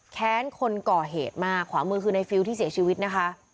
แค้นคนก่อเหตุมากขวามือคือในฟิลที่เสียชีวิตนะคะ